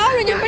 tahan dulu pak